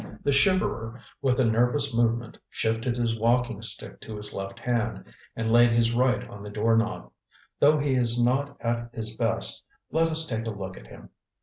The shiverer, with a nervous movement shifted his walking stick to his left hand, and laid his right on the door knob. Though he is not at his best, let us take a look at him.